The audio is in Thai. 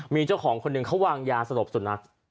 มีเจ้าของคนหนึ่งเขาวางยาสลบสุนัข